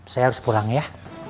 saya harus pulang ya